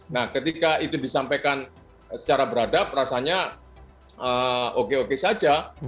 nah ketika itu disampaikan secara beradab rasanya oke oke saja